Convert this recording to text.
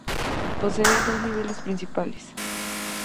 Posee dos niveles principales.